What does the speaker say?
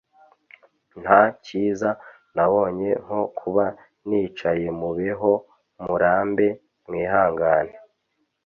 nta kiza nabonye nko kuba nicayemubeho murambe, mwihangane